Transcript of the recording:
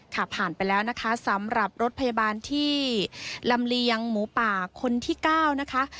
ค่ะผ่านไปแล้วนะคะสำหรับรถพยาบาลที่ลำเลียงหมูป่าคนที่๙นะคะ